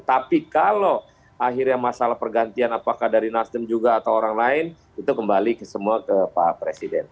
tapi kalau akhirnya masalah pergantian apakah dari nasdem juga atau orang lain itu kembali semua ke pak presiden